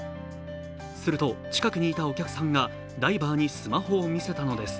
すると近くにいたお客さんがダイバーにスマホを見せたのです。